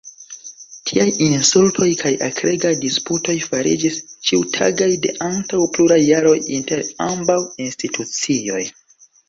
Tiaj insultoj kaj akregaj disputoj fariĝis ĉiutagaj de antaŭ pluraj jaroj inter ambaŭ institucioj.